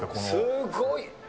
すごい！